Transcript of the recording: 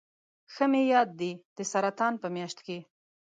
ښه مې یاد دي د سرطان په میاشت کې.